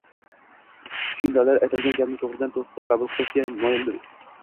Kichkintoylar aytilgan gapni to‘g‘ridan to‘g‘ri qabul qilishga moyildirlar.